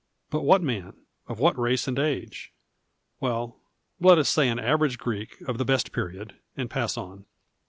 But what man ? Of what race and age ? Well, let us say an average Greek of the best period, and pass on.